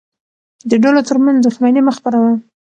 د ډلو ترمنځ دښمني مه خپروه.